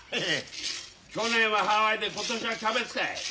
去年はハワイで今年はキャベツかい。